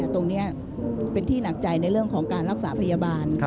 ตรงนี้เป็นที่หนักใจในเรื่องของการรักษาพยาบาล